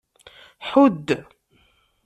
Ḥudd.